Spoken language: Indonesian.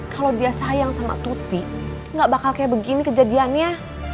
kalau dia sayang sama tuti gak bakal kayak begini kejadiannya